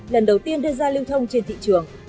lần đầu tiên đưa ra lưu thông trên thị trường